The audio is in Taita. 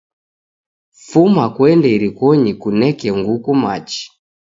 Fuma kuende irikonyi kuneke nguku machi.